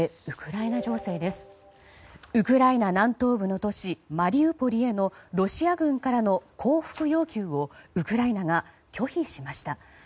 ウクライナ南東部の都市マリウポリへのロシア軍からの降伏要求をウクライナが拒否しました。